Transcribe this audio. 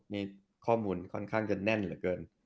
มีข้อมูลค่อนข้างจะแน่นเหลือเกิน